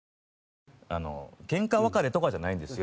けんか別れとかじゃないんですよ。